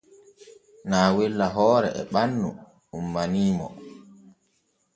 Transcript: Naawella hoore e ɓannu ummanii mo.